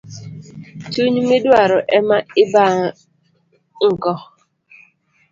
Chuny midwaro ema ibango